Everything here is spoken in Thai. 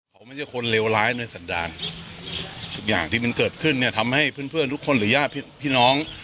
เขาไม่ใช่คนเลวร้ายในสันดารทุกอย่างที่มันเกิดขึ้นเนี่ยทำให้เพื่อนทุกคนหรือญาติพี่น้อง